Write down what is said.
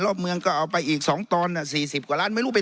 รอบเมืองก็เอาไปอีกสองตอนน่ะสี่สิบกว่าล้านไม่รู้ไป